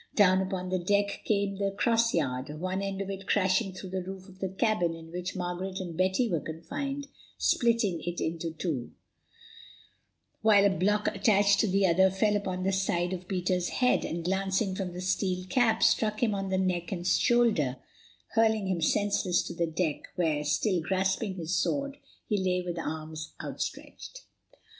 Down upon the deck came the cross yard, one end of it crashing through the roof of the cabin in which Margaret and Betty were confined, splitting it in two, while a block attached to the other fell upon the side of Peter's head and, glancing from the steel cap, struck him on the neck and shoulder, hurling him senseless to the deck, where, still grasping his sword, he lay with arms outstretched.